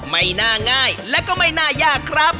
ไม่น่าง่ายและก็ไม่น่ายากครับ